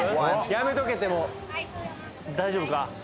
やめとけってもう大丈夫か？